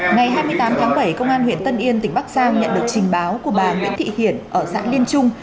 ngày hai mươi tám tháng bảy công an huyện tân yên tỉnh bắc giang nhận được trình báo của bà nguyễn thị hiển ở xã liên trung